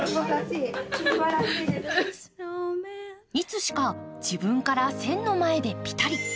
いつしか自分から線の前でぴたり。